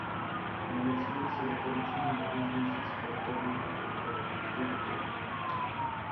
Nemocným se doporučují nejrůznější sportovní a pohybové aktivity.